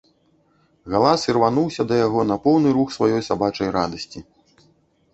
Галас ірвануўся да яго на поўны рух сваёй сабачай радасці.